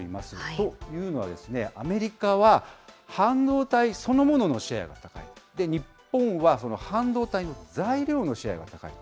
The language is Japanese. というのは、アメリカは半導体そのもののシェアが高い、日本はその半導体の材料のシェアが高い。